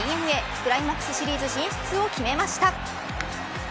クライマックスシリーズ進出を決めました。